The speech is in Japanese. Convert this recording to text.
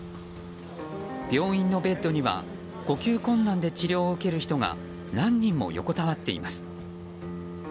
病院のベッドには呼吸困難で治療を受ける人が何人も横たわっています。